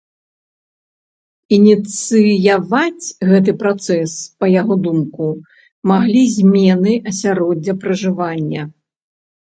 Ініцыяваць гэты працэс, па яго думку, маглі змены асяроддзя пражывання.